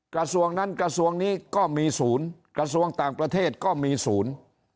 กระทรวงนั้นกระทรวงนี้ก็มีศูนย์กระทรวงต่างประเทศก็มีศูนย์